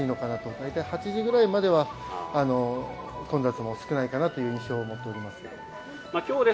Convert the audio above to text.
大体８時ぐらいまでは混雑が少ないかなという印象を持っています。